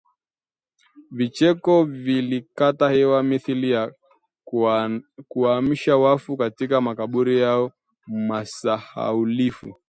Vicheko vilikata hewa mithili ya kuwaamsha wafu katika makaburi yao masahaulifu